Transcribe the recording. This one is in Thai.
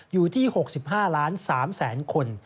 อยู่ที่๖๕ล้าน๓แสนคน